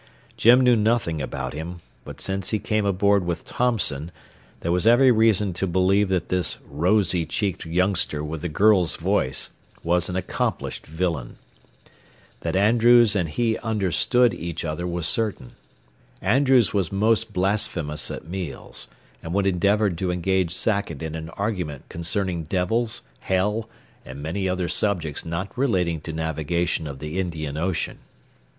Jim knew nothing about him, but since he came aboard with Thompson, there was every reason to believe that this rosy cheeked youngster with the girl's voice was an accomplished villain. That Andrews and he understood each other was certain. Andrews was most blasphemous at meals, and would endeavor to engage Sackett in an argument concerning devils, hell, and many other subjects not relating to navigation of the Indian Ocean.